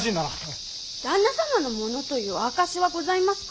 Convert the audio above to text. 旦那様のものという証しはございますか？